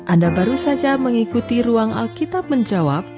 anda baru saja mengikuti ruang alkitab menjawab